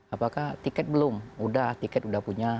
apakah tiket belum udah tiket udah punya